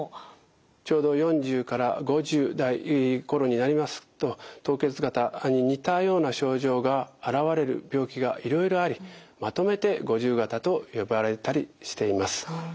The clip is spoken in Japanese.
ちょうど４０５０代頃になりますと凍結肩に似たような症状が現れる病気がいろいろありまとめて五十肩と呼ばれたりしています。